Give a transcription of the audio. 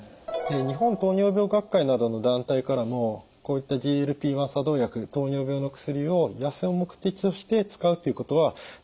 日本糖尿病学会などの団体からもこういったＧＬＰ−１作動薬糖尿病の薬を痩せる目的として使うということは推奨されていません。